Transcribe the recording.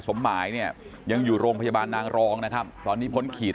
สมหมายเนี่ยยังอยู่โรงพยาบาลนางรองนะครับตอนนี้พ้นขีด